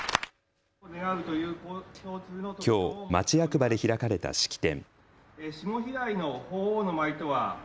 きょう町役場で開かれた式典。